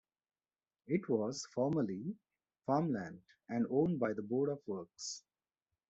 It was formerly farmland and owned by the Board of Works.